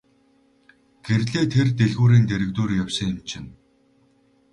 Гэрлээ тэр дэлгүүрийн дэргэдүүр явсан юм чинь.